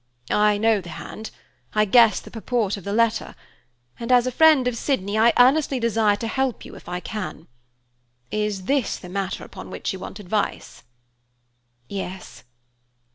I know the hand, I guess the purport of the letter, and as a friend of Sydney, I earnestly desire to help you, if I can. Is this the matter upon which you want advice?" "Yes."